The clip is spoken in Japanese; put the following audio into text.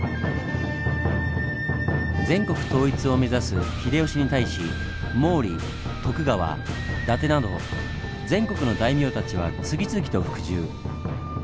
全国統一を目指す秀吉に対し毛利徳川伊達など全国の大名たちは次々と服従。